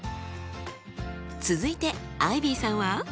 続いてアイビーさんは？